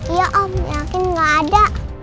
iya om yakin nggak ada